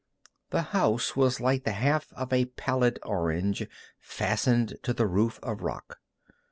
The house was like the half of a pallid orange, fastened to the roof of rock.